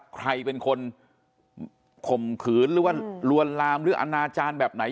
ใครเป็นคนข่มขืนหรือว่าลวนลามหรืออนาจารย์แบบไหน